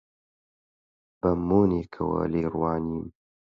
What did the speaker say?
بە مۆنێکەوە لێی ڕوانیم: